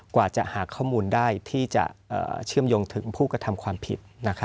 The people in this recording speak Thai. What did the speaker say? กว่าจะหาข้อมูลได้ที่จะเชื่อมโยงถึงผู้กระทำความผิด